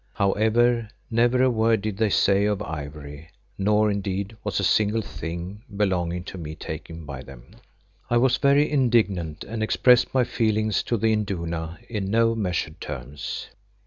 However, never a word did they say of ivory, nor indeed was a single thing belonging to me taken by them. I was very indignant and expressed my feelings to the Induna in no measured terms.